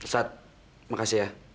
sat makasih ya